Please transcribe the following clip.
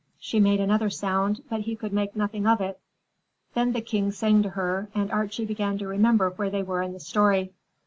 She made another sound, but he could make nothing of it. Then the King sang to her, and Archie began to remember where they were in the story.